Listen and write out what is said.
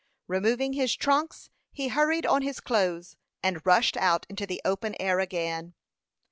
Removing his "trunks," he hurried on his clothes, and rushed out into the open air again.